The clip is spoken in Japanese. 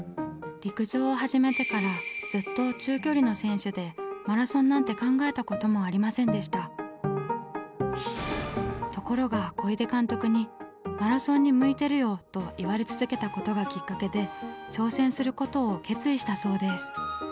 陸上を始めてからずっと中距離の選手でところが小出監督に「マラソンに向いてるよ」と言われ続けたことがきっかけで挑戦することを決意したそうです。